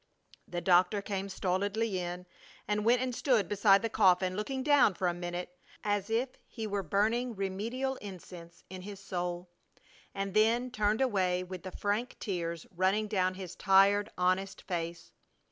The doctor came stolidly in and went and stood beside the coffin, looking down for a minute as if he were burning remedial incense in his soul, and then turned away with the frank tears running down his tired, honest face.